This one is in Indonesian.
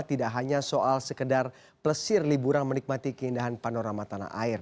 tidak hanya soal sekedar plesir liburan menikmati keindahan panorama tanah air